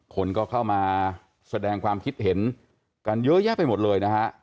คนก็เข้ามาแสดงความคิดเห็นกันเยอะแยะไปหมดเลยนะฮะ